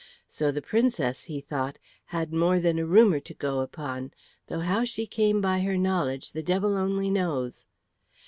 "So the Princess," he thought, "had more than a rumour to go upon, though how she came by her knowledge the devil only knows."